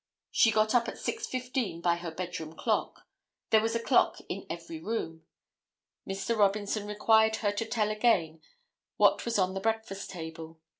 She got up at 6:15 by her bedroom clock. There was a clock in every room. Mr. Robinson required her to tell again what was on the breakfast table.